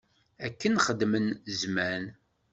Akken xeddmen zzman.